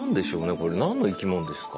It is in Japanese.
これ何の生き物ですか？